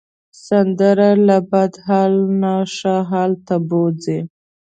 سندره له بد حال نه ښه حال ته بوځي